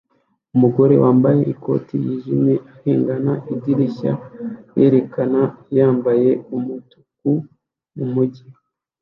Umugore wambaye ikoti yijimye arengana idirishya ryerekana yambaye umutuku mumujyi